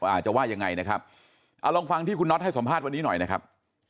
อาจจะว่ายังไงนะครับเอาลองฟังที่คุณน็อตให้สัมภาษณ์วันนี้หน่อยนะครับ